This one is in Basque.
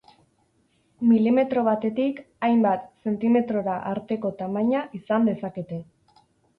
Milimetro batetik hainbat zentimetrora arteko tamaina izan dezakete.